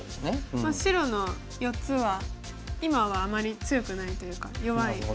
白の４つは今はあまり強くないというか弱いと思います。